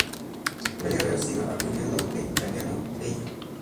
Puede haber sido acuñado del italiano "bella".".